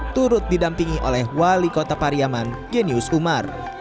turut didampingi oleh wali kota pariamang genius umar